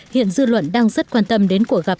hiện dư luận đang rất quan tâm đến cuộc gặp